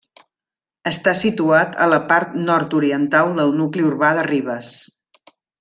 Està situat a la part nord-oriental del nucli urbà de Ribes.